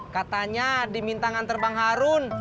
katanya diminta ngantar bang harun